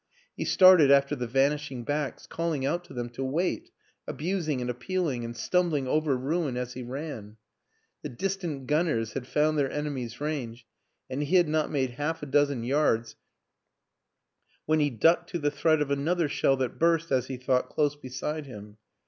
He started after the vanishing backs, calling out to them to wait, abusing and appealing, and stumbling over ruin as he ran. The distant gunners had found their enemies' range, and he had not made half a dozen yards when he ducked to the threat of another shell that burst, as he thought, close beside him.